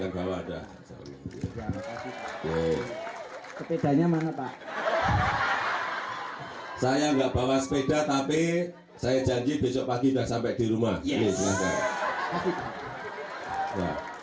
saya nggak bawa sepeda tapi saya janji besok pagi sudah sampai di rumah